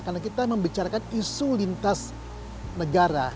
karena kita membicarakan isu lintas negara